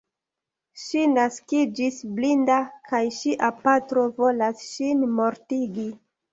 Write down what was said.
Ŝi naskiĝis blinda kaj ŝia patro volas ŝin mortigi.